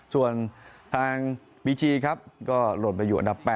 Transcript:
ส่วนทางบีจีครับก็หล่นไปอยู่อันดับ๘